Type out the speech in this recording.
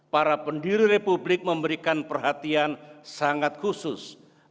para pendiri republik memberikan perhatian sangat khusus